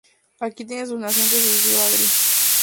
Aquí tienen sus nacientes el río Agrio.